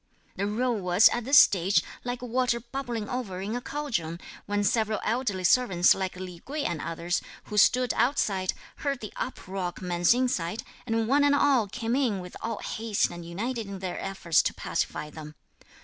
The row was, at this stage, like water bubbling over in a cauldron, when several elderly servants, like Li Kuei and others, who stood outside, heard the uproar commence inside, and one and all came in with all haste and united in their efforts to pacify them.